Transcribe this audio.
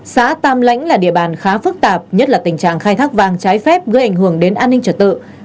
xã tam lãnh là địa bàn khá phức tạp nhất là tình trạng khai thác vàng trái phép gây ảnh hưởng đến an ninh trật tự